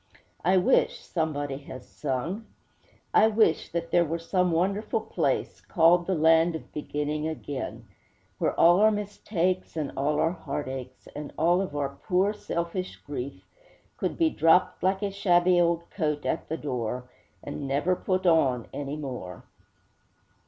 'I wish,' somebody has sung I wish that there were some wonderful place Called the Land of Beginning Again, Where all our mistakes and all our heartaches And all of our poor, selfish grief Could be dropped, like a shabby old coat, at the door, And never put on any more.